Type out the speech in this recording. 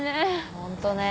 ホントね。